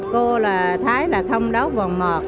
cô là thái là không đấu vòng mọt